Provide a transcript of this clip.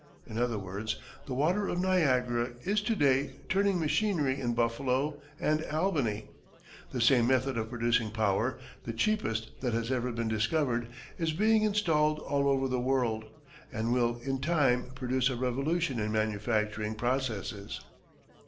In other words, the water of Niagara is to day turning machinery in Buffalo and Albany. The same method of producing power, the cheapest that has ever been discovered, is being installed all over the world, and will, in time, produce a revolution in manufacturing processes.